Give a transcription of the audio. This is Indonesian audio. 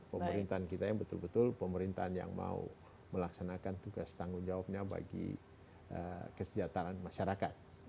pemerintahan kita yang betul betul pemerintahan yang mau melaksanakan tugas tanggung jawabnya bagi kesejahteraan masyarakat